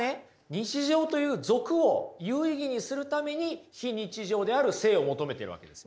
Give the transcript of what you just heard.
日常という俗を有意義にするために非日常である聖を求めてるわけです。